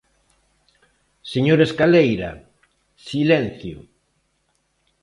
¡Señor Escaleira, silencio!